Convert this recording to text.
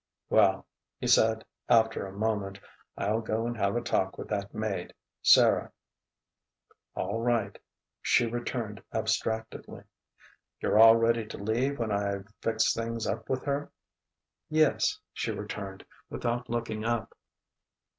"Well," he said after a moment, "I'll go and have a talk with that maid, Sara." "All right," she returned abstractedly. "You're all ready to leave when I've fixed things up with her?" "Yes," she returned, without looking up.